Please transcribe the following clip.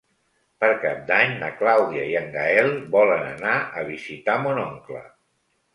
Per Cap d'Any na Clàudia i en Gaël volen anar a visitar mon oncle.